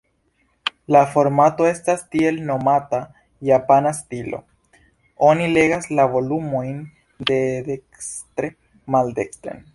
La formato estas tiel-nomata "Japana stilo"; oni legas la volumojn dedekstre-maldekstren.